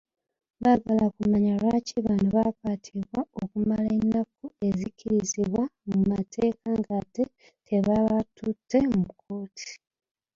Baagala kumanya lwaki bano baakwatibwa okumala ennaku ezikkirizibwa mu mateeka ng'ate tebabatutte mu kkooti.